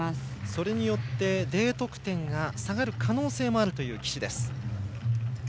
それによってＤ得点が下がる可能性もある岸。